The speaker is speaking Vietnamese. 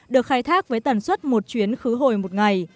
được khai thác với tần suất một chuyến khứ hồi một ngày